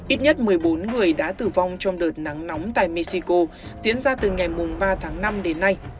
ít nhất một mươi bốn người đã tử vong trong đợt nắng nóng tại mexico diễn ra từ ngày ba tháng năm đến nay